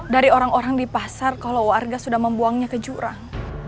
dari orang orang di pasar kalau warga sudah membuangnya ke jurang